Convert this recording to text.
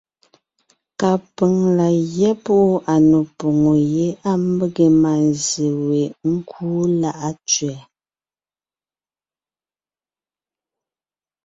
Kapʉ̀ŋ la gyɛ́ púʼu à nò poŋo yé á mege mânzse we ńkúu Láʼa Tsẅɛ.